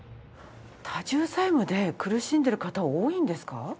多重債務で苦しんでいる方は多いんですか？